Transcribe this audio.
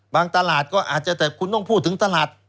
ตลาดก็อาจจะแต่คุณต้องพูดถึงตลาด